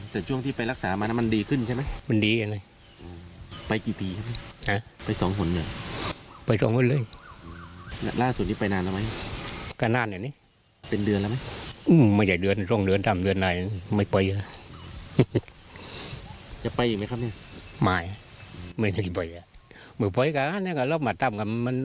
สงสัยจะเป็นแผลผู้พ่องเหมือนกัน